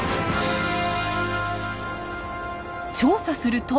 調査すると。